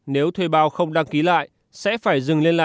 nếu thuê bao không đăng ký lại sẽ phải dừng liên lạc